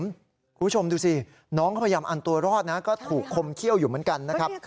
คุณผู้ชมดูสิน้องเขาพยายามอันตัวรอดนะก็ถูกคมเขี้ยวอยู่เหมือนกันนะครับ